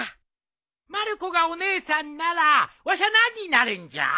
まる子がお姉さんならわしゃ何になるんじゃ？